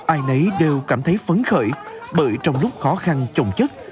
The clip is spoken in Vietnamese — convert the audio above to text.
ai nấy đều cảm thấy phấn khởi bởi trong lúc khó khăn trồng chất